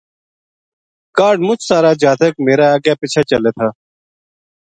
کاہڈ مُچ سارا جاتک میرے اَگے پِچھے چلے لگا